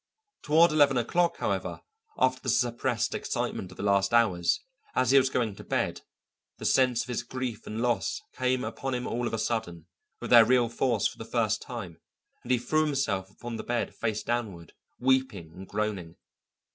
Toward eleven o'clock, however, after the suppressed excitement of the last hours, as he was going to bed, the sense of his grief and loss came upon him all of a sudden, with their real force for the first time, and he threw himself upon the bed face downward, weeping and groaning.